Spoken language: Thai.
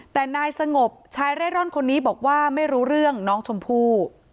แต่นายสงบชายเร่ร่อนคนนี้บอกว่าไม่รู้เรื่องน้องชมพู่